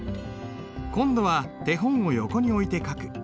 今度は手本を横に置いて書く。